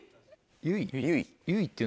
ゆい？